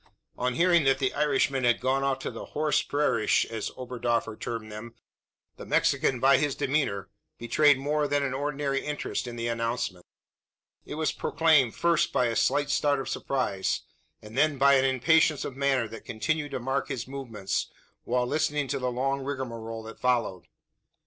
On hearing that the Irishman had gone off to the "horsh prairish," as Oberdoffer termed them, the Mexican by his demeanour betrayed more than an ordinary interest in the announcement. It was proclaimed, first by a slight start of surprise, and then by an impatience of manner that continued to mark his movements, while listening to the long rigmarole that followed.